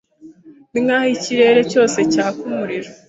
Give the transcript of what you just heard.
Ninkaho ikirere cyose cyaka umuriro.